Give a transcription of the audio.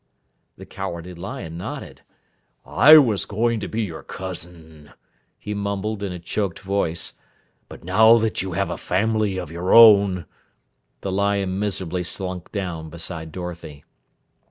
The Cowardly Lion nodded. "I was going to be your cousin," he mumbled in a choked voice, "but now that you have a family of your own " The lion miserably slunk down beside Dorothy.